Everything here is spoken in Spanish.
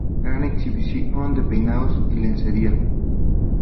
Gran exhibición de peinados y lencería.